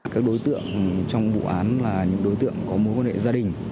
các đối tượng trong vụ án là những đối tượng có mối quan hệ gia đình